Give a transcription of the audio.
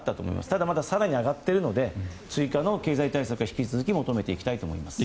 ただまだ更に上がっているので追加の経済対策は引き続き求めていきたいと思います。